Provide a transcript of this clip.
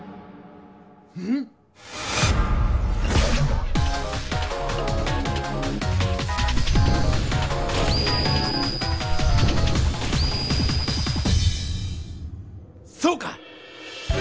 ん⁉そうか！